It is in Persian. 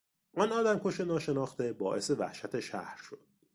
آن آدمکش ناشناخته باعث وحشت شهر شد.